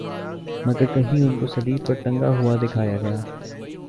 مگر کہیں انکو صلیب پر ٹنگا ہوا دکھایا گیا